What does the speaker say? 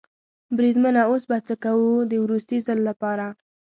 بریدمنه اوس به څه کوو؟ د وروستي ځل لپاره.